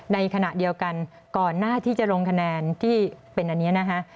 ในขณะเดียวกันก่อนหน้าที่จะลงคะแนนที่เป็นอันนี้นะคะ